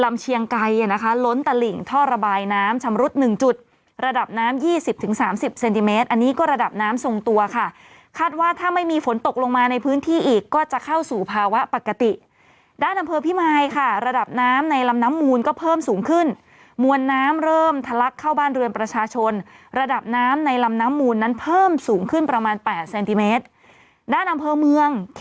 ลำเชียงไกลนะคะล้นตะหลิงท่อระบายน้ำชำรุด๑จุดระดับน้ำ๒๐ถึง๓๐เซนติเมตรอันนี้ก็ระดับน้ำทรงตัวค่ะคัดว่าถ้าไม่มีฝนตกลงมาในพื้นที่อีกก็จะเข้าสู่ภาวะปกติด้านดำเภอพิมายค่ะระดับน้ำในลำน้ำมูลก็เพิ่มสูงขึ้นมวลน้ำเริ่มทะลักเข้าบ้านเรือนประชาชนระดับน้ำในลำน้ำมู